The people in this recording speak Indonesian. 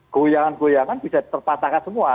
goyangan goyangan bisa terpatahkan semua